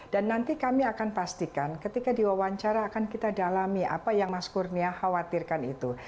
dan nanti kami akan pastikan ketika diwawancara akan kita dalami apa yang mas kurnia khawatirkan itu